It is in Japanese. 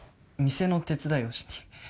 店の手伝いをしに。